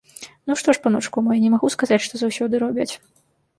Ну што ж, паночку мой, не магу сказаць, што заўсёды робяць.